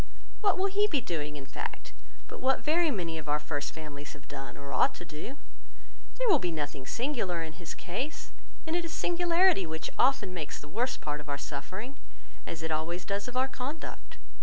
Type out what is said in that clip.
What will he be doing, in fact, but what very many of our first families have done, or ought to do? There will be nothing singular in his case; and it is singularity which often makes the worst part of our suffering, as it always does of our conduct.